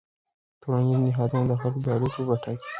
ټولنیز نهادونه د خلکو د اړیکو بڼه ټاکي.